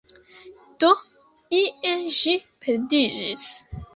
Do ie ĝi perdiĝis.